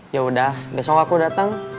yaudah besok aku datang